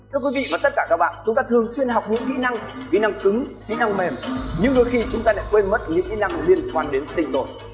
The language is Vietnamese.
thưa quý vị và tất cả các bạn chúng ta thường xuyên học những kỹ năng kỹ năng cứng kỹ năng mềm nhưng đôi khi chúng ta lại quên mất những kỹ năng liên quan đến sinh đổi